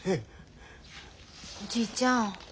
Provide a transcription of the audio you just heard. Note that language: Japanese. おじいちゃん。